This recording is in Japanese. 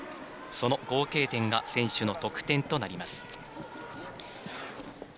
その合計点が選手の得点となります。